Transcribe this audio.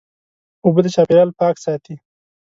اوبه د چاپېریال پاک ساتي.